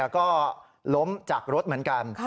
ก็ล้มจากรถเหมือนกัน